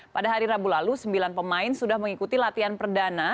pada hari rabu lalu sembilan pemain sudah mengikuti latihan perdana